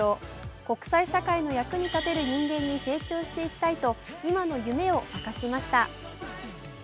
国際社会の役に立てる人間に成長していきたいと今の夢を明かしました。